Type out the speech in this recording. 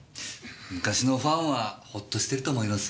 昔のファンはホッとしてると思いますよ。